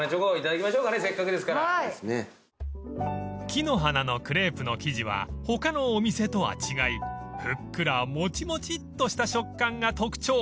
［木の花のクレープの生地は他のお店とは違いふっくらもちもちっとした食感が特徴］